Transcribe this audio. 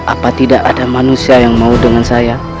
apa tidak ada manusia yang mau dengan saya